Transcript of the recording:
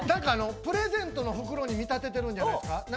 プレゼントの袋に見立ててるんじゃないですか？